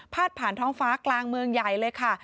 ผ่านท้องฟ้ากลางเมืองใหญ่เลยค่ะ